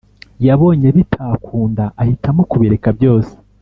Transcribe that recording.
Yabonye bitakunda ahitamo kubireka byose